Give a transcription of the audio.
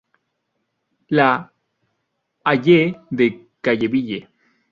La Haye-de-Calleville